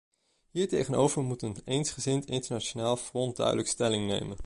Hiertegenover moet een eensgezind internationaal front duidelijk stelling nemen.